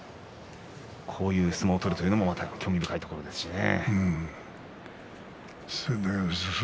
こういう相撲を取るというのも興味深いところですね。